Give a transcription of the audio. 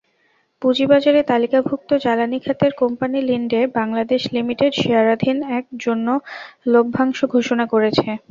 পুঁজিবাজারে তালিকাভুক্ত জ্বালানি খাতের কোম্পানি লিন্ডে বাংলাদেশ লিমিটেড শেয়ারধারীদের জন্য লভ্যাংশ ঘোষণা করেছে।